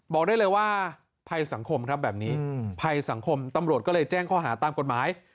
บอกได้เลยว่าภัยสังคมครับแบบนี้ภัยสังคมตำรวจก็เลยแจ้งข้อหาตามกฎหมาย